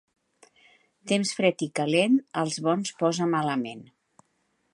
Temps fred i calent, els bons posa malament.